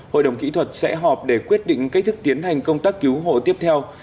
hội đồng kỹ thuật sẽ họp để quyết định cách thức tiến hành công tác cứu hộ tiếp theo